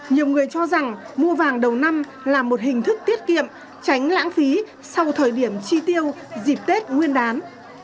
nhiều người cho rằng mua vàng đầu năm là một hình thức tiết kiệm tránh lãng phí sau thời điểm chi tiêu dịp tết nguyên đán